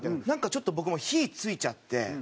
なんかちょっと僕も火付いちゃって。